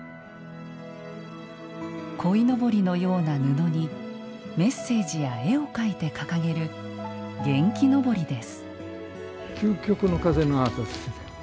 こいのぼりのような布にメッセージや絵を描いて掲げる元気のぼりです。